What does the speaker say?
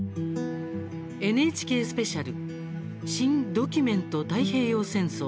ＮＨＫスペシャル「新・ドキュメント太平洋戦争」。